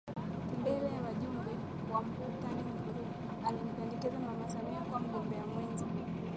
Mbele ya wajumbe wa mkutani Mkuu alimpendekeza Mama Samia kuwa mgombea mwenza